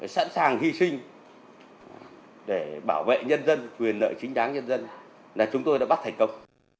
sẵn sàng hy sinh để bảo vệ nhân dân quyền nợ chính đáng nhân dân là chúng tôi đã bắt thành công